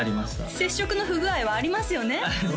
接触の不具合はありますよね